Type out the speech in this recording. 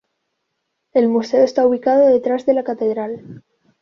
El museo está ubicado detrás de la Catedral.